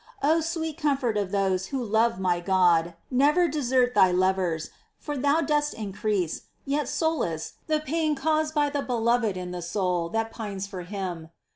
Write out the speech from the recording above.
O sweet comfort of those who love my God, never desert thy lovers, for thou dost increase, yet solace, the pain caused by the Beloved in the soul that pines for Him